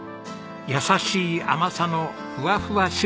優しい甘さのふわふわシフォン。